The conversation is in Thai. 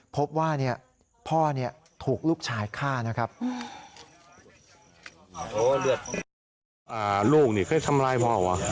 พบว่าพ่อเนี่ยถูกลูกชายฆ่านะครับ